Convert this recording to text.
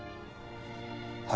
はい。